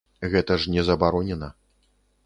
Гэта ж не забаронена.